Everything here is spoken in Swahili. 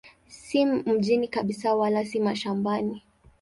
Si mjini kabisa wala si mashambani.